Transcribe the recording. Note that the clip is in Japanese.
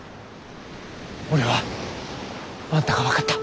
俺はあんたが分かった。